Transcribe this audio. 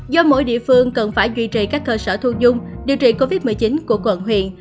do mỗi địa phương cần phải duy trì các cơ sở thu dung điều trị covid một mươi chín của quận huyện